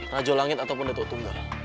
rajo langit ataupun detok tunggal